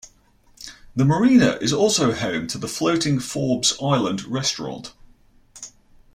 The marina is also home to the floating Forbes Island restaurant.